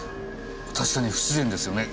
確かに不自然ですよね